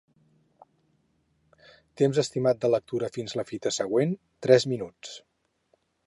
Temps estimat de lectura fins a la fita següent: tres minuts.